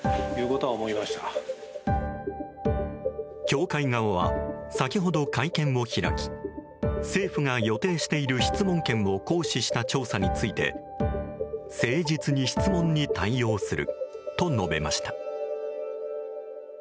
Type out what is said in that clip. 教会側は、先ほど会見を開き政府が予定している質問権を行使した調査について誠実に質問に対応すると述べました。